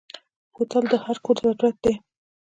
بوتل د هر کور ضرورت دی.